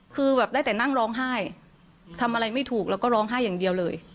คือแบบได้แต่นั่งร้องไห้ทำอะไรไม่ถูกแล้วก็ร้องไห้อย่างเดียวเลย